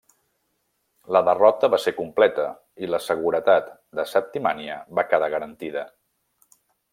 La derrota va ser completa i la seguretat de Septimània va quedar garantida.